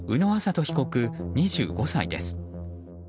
人被告、２５歳です。